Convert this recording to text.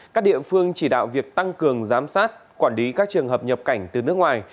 các địa phương chỉ đạo việc tăng cường giám sát quản lý các trường hợp nhập cảnh từ nước ngoài